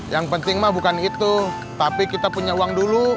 yang penting mah bukan itu tapi kita punya uang dulu